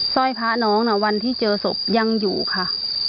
ร้อยพระน้องวันที่เจอศพยังอยู่ค่ะ